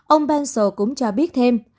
ông bensel cũng cho biết thêm